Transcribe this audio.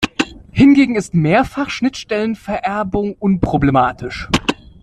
Hingegen ist Mehrfach-Schnittstellenvererbung unproblematisch.